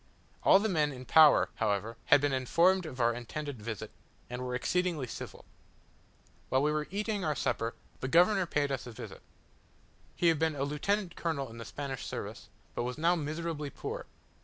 All the men in power, however, had been informed of our intended visit, and were exceedingly civil. While we were eating our supper, the governor paid us a visit. He had been a lieutenant colonel in the Spanish service, but now was miserably poor.